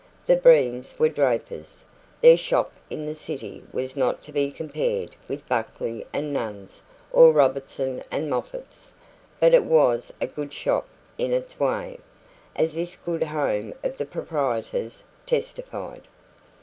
The Breens were drapers. Their shop in the city was not to be compared with Buckley & Nunn's or Robertson & Moffat's, but it was a good shop in its way, as this good home of the proprietors testified.